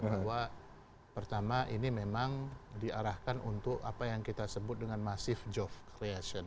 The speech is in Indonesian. bahwa pertama ini memang diarahkan untuk apa yang kita sebut dengan masif job creation